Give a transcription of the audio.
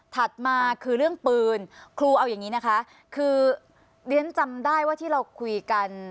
มาคือเรื่องปืนครูเอาอย่างนี้นะคะคือเรียนจำได้ว่าที่เราคุยกัน